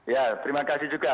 ya terima kasih juga